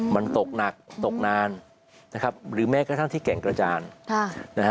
มันตกหนักตกนานนะครับหรือแม้กระทั่งที่แก่งกระจานนะฮะ